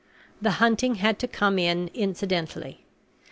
The hunting had to come in incidentally.